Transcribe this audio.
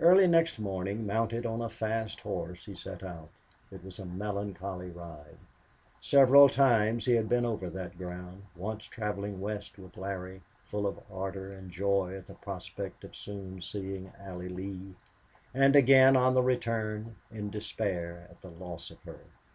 Early next morning, mounted on a fast horse, he set out. It was a melancholy ride. Several times he had been over that ground, once traveling west with Larry, full of ardor and joy at the prospect of soon seeing Allie Lee, and again on the return, in despair at the loss of her.